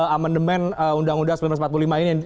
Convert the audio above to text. amandemen undang undang seribu sembilan ratus empat puluh lima ini